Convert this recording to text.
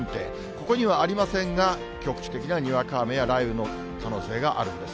ここにはありませんが、局地的なにわか雨や雷雨の可能性があるんです。